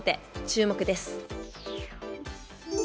注目です。